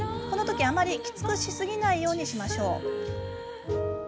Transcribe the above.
あまり、きつくしすぎないようにしましょう。